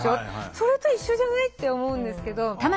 それと一緒じゃないって思うんですけど。